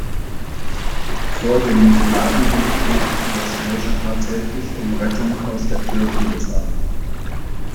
Vor dem Gnadenbild betete das Kaiserpaar täglich um Rettung aus der Türkengefahr.